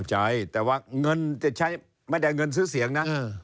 ใช่แต่ว่าเงินจะใช้ไม่ได้เงินซื้อเสียงนะ